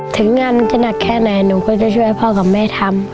ถึงงานจะหนักแค่ไหนหนูก็จะช่วยพ่อกับแม่ทำ